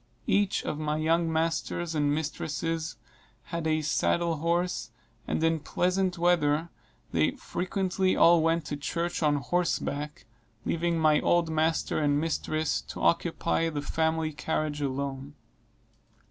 Each of my young masters and mistresses had a saddle horse, and in pleasant weather they frequently all went to church on horseback, leaving my old master and mistress to occupy the family carriage alone.